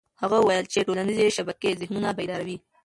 هغه وویل چې ټولنيزې شبکې ذهنونه بیداروي.